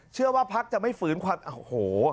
เชื่อว่าพลักษณ์จะไม่ฝืนความโอ้โห